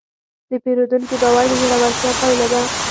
د پیرودونکي باور د زړورتیا پایله ده.